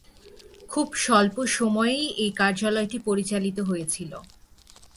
খুব স্বল্প সময়ই এ কার্যালয়টি পরিচালিত হয়েছিল।